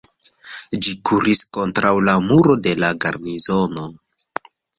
Ĝi kuris kontraŭ la muro de la garnizono.